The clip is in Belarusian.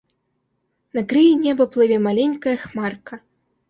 На краі неба плыве маленькая хмарка.